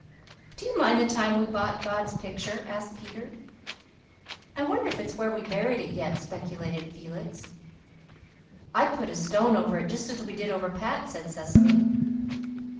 "Do you mind the time we bought God's picture?" asked Peter. "I wonder if it's where we buried it yet," speculated Felix. "I put a stone over it, just as we did over Pat," said Cecily.